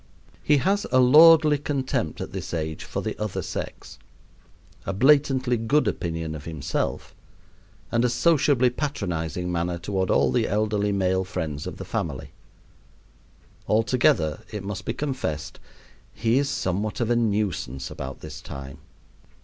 He has a lordly contempt at this age for the other sex, a blatantly good opinion of himself, and a sociably patronizing manner toward all the elderly male friends of the family. Altogether, it must be confessed, he is somewhat of a nuisance about this time.